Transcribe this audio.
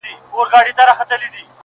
خپل گرېوان او خپل وجدان ته ملامت سو؛